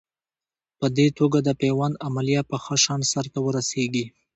په دې توګه د پیوند عملیه په ښه شان سر ته ورسېږي.